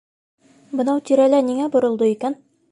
— Бынау тирәлә ниңә боролдо икән?